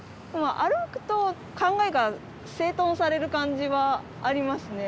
歩くと考えが整頓される感じはありますね。